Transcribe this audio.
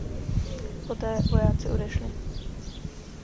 Poté vojáci odešli.